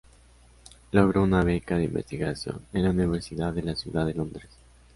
Logró una beca de investigación en la Universidad de la Ciudad de Londres.